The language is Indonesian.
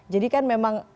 jadi kan memang